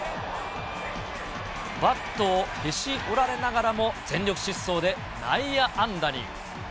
バットをへし折られながらも全力疾走で内野安打に。